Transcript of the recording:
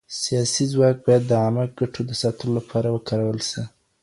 سياسي ځواک بايد د عامه ګټو د ساتلو لپاره وکارول سي.